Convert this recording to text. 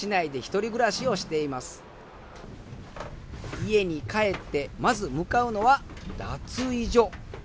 家に帰ってまず向かうのは脱衣所。